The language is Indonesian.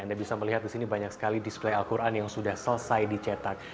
anda bisa melihat di sini banyak sekali display al quran yang sudah selesai dicetak